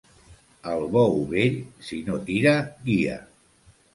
El bou vell, si no tira, guia.